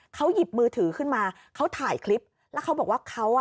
เขาหยิบมือถือขึ้นมาเขาถ่ายคลิปแล้วเขาบอกว่าเขาอ่ะ